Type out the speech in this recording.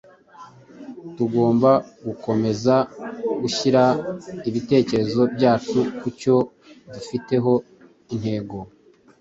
tugomba gukomeza gushyira ibitekerezo byacu ku cyo dufiteho intego